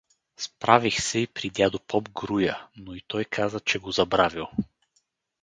Справих се и при дядо поп Груя, но и той каза, че го забравил.